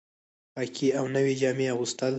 پاکې او نوې جامې اغوستل